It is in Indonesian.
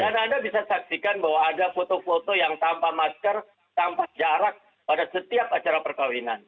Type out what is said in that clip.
dan anda bisa saksikan bahwa ada foto foto yang tanpa masker tanpa jarak pada setiap acara perkahwinan